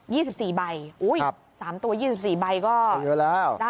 ี่สิบสี่ใบอุ้ยครับสามตัวยี่สิบสี่ใบก็เยอะแล้ว